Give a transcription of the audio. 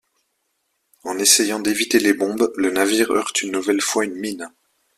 En essayant d'éviter les bombes, le navire heurte une nouvelle fois une mine.